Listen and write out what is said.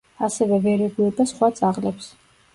ასევე ვერ ეგუება სხვა ძაღლებს.